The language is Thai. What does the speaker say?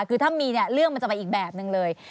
คือถ้ามีเรื่องมันจะเป็นอีกแบบหนึ่งเลย